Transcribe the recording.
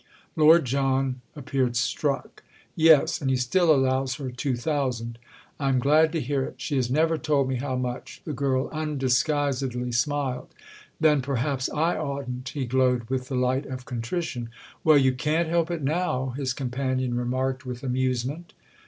Lord John appeared struck. "Yes—and he still allows her two thousand." "I'm glad to hear it—she has never told me how much!" the girl undisguisedly smiled. "Then perhaps I oughtn't!"—he glowed with the light of contrition. "Well, you can't help it now," his companion remarked with amusement.